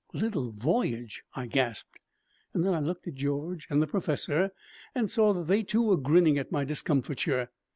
"Little voyage!" I gasped. And then I looked at George and the professor and saw that they, too, were grinning at my discomfiture.